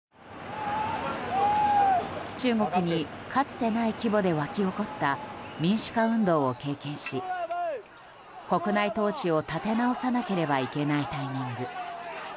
中国にかつてない規模で沸き起こった民主化運動を経験し国内統治を立て直さなければいけないタイミング。